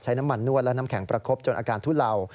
น้ำมันนวดและน้ำแข็งประคบจนอาการทุเลา